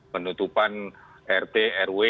penutupan rt rw